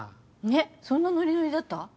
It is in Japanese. えっそんなノリノリだった？